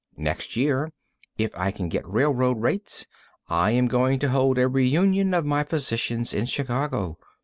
Next year, if I can get railroad rates, I am going to hold a reunion of my physicians in Chicago.